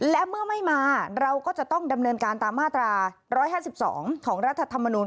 และเมื่อไม่มาเราก็จะต้องดำเนินการตามมาตรา๑๕๒ของรัฐธรรมนูล